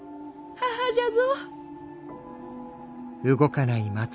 母じゃぞ。